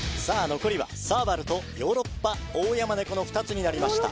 残りはサーバルとヨーロッパオオヤマネコの２つになりました